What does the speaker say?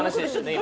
今。